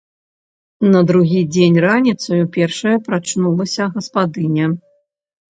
На другі дзень раніцаю першая прачнулася гаспадыня.